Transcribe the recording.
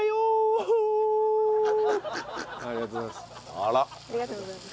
ありがとうございます。